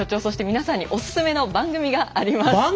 そして皆さんにお薦めの番組があります。